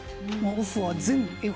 オフは。